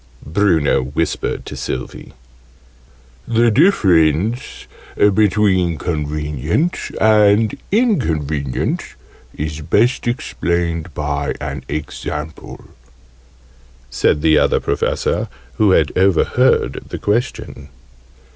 Bruno whispered to Sylvie. "The difference between 'convenient' and 'inconvenient' is best explained by an example," said the Other Professor, who had overheard the question.